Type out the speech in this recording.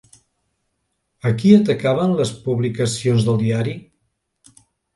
A qui atacaven les publicacions del diari?